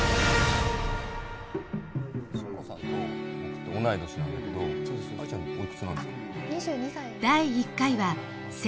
春吾さんと同い年なんだけど藍ちゃんおいくつなんですか？